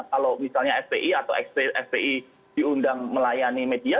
kalau misalnya fbi atau fbi diundang melayani media